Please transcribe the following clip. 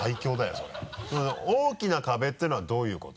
その大きな壁っていうのはどういうこと？